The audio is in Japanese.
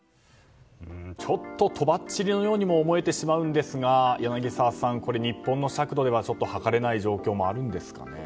ちょっととばっちりのようにも思えてしまうんですが柳澤さん日本の尺度では測れない状況もあるんですかね。